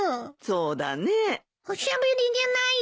そうだね。